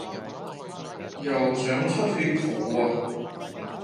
又想出去蒲呀？